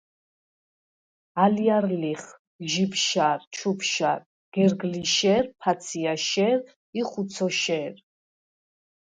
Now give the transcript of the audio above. ალჲარ ლიხ: ჟიბშარ, ჩუბშარ, გერგლიშე̄რ, ფაცჲაჲშე̄რ ი ხუცოშე̄რ.